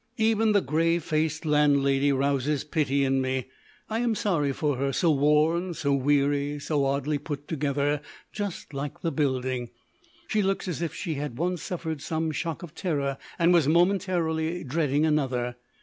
Even the grey faced landlady rouses pity in me; I am sorry for her: so worn, so weary, so oddly put together, just like the building. She looks as if she had once suffered some shock of terror, and was momentarily dreading another.